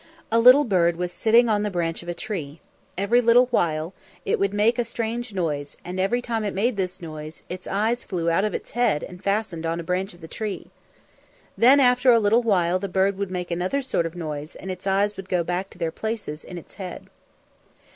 A little bird was sitting on the branch of a tree. Every little while it would make a strange noise, and every time it made this noise its eyes flew out of its head and fastened on a branch of the tree. Then after a little while the bird would make another sort of noise and its eyes would go back to their places in its head.